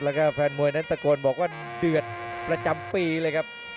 แล้วก็แฟนมวยนั้นตะโกนบอกว่าเดือดประจำปีเลยครับ